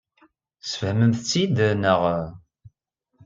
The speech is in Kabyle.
Tesfehmemt-tt-id, naɣ?